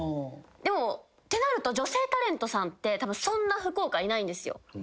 ってなると女性タレントさんってそんな福岡いないんですよ。